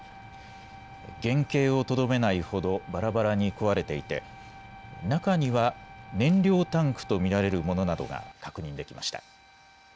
原形をとどめないほどばらばらに壊れていて中には燃料タンクと見られるものなどが確認できました。